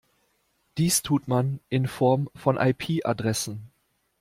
Dies tut man in Form von IP-Adressen.